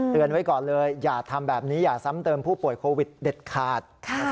ไว้ก่อนเลยอย่าทำแบบนี้อย่าซ้ำเติมผู้ป่วยโควิดเด็ดขาด